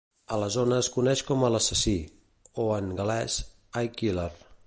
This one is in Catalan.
A la zona es coneix com a "L'assassí" o, en galès "Y Killer".